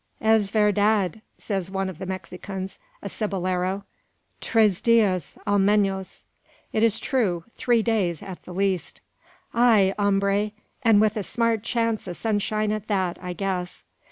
"Es verdad!" says one of the Mexicans, a cibolero; "tres dias, al menos!" (It is true three days, at the least!) "Ay, hombre! an' with a smart chance o' sunshine at that, I guess."